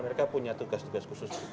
mereka punya tugas tugas khusus